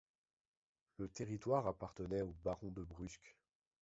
Le territoire appartenait aux barons de Brusque.